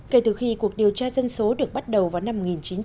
kể từ khi cuộc điều tra dân số được bắt đầu vào năm một nghìn chín trăm bảy mươi